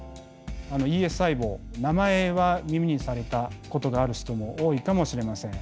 ＥＳ細胞名前は耳にされたことがある人も多いかもしれません。